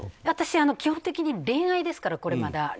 私、基本的に恋愛ですから、これはまだ。